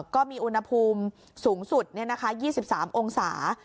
ก็มีอุณหภูมิสูงสุด๒๓องศา